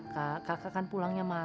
pa'ot cei yang semirah